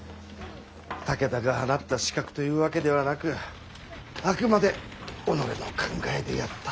武田が放った刺客というわけではなくあくまで己の考えでやったということは。